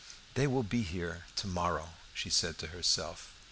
"They will be there to morrow!" she said to herself.